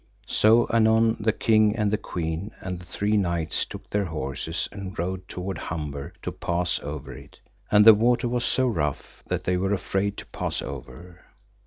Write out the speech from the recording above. So anon the king and the queen and the three knights took their horses, and rode toward Humber to pass over it, and the water was so rough that they were afraid to pass over.